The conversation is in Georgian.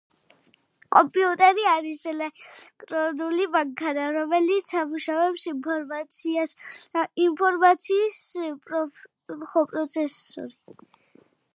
კომპიუტერი აირს ელექტრონული მანქანა, რომელიც ამუშავებს ინფორმაციას – ინფორმაციის პროცესორი